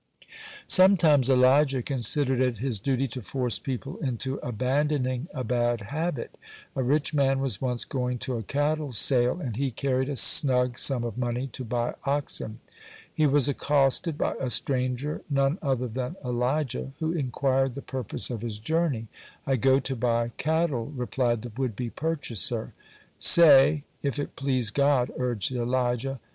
(70) Sometimes Elijah considered it his duty to force people into abandoning a bad habit. A rich man was once going to a cattle sale, and he carried a snug sum of money to buy oxen. He was accosted by a stranger none other than Elijah who inquired the purpose of his journey. "I go to buy cattle," replied the would be purchaser. "Say, it if please God," urged Elijah.